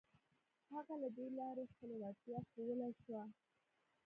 هغه له دې لارې خپله وړتيا ښوولای شوه.